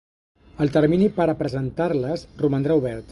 El termini per a presentar-les romandrà obert.